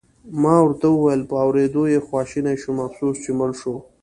ما ورته وویل: په اورېدو یې خواشینی شوم، افسوس چې مړ شو.